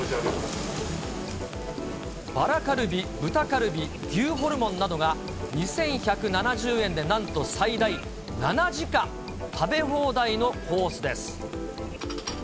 バラカルビ、豚カルビ、牛ホルモンなどが、２１７０円でなんと最大７時間、食べ放題のコースです。